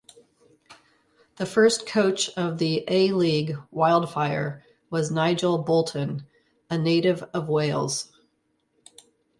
The first coach of the A-League Wildfire was Nigel Boulton, a native of Wales.